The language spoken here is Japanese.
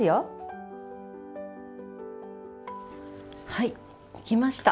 はいできました。